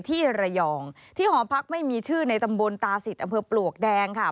ที่ระยองที่หอพักไม่มีชื่อในตำบลตาศิษย์อำเภอปลวกแดงค่ะ